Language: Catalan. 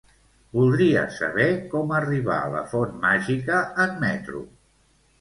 Voldria saber com arribar a la Font Màgica en metro.